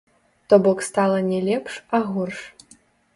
То бок стала не лепш, а горш.